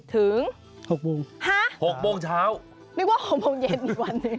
ถึง๖โมงฮะ๖โมงเช้านึกว่า๖โมงเย็นในวันนี้